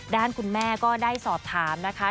ด้านคุณแม่ก็ได้สอบถามนะคะ